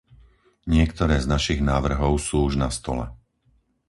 Niektoré z našich návrhov sú už na stole.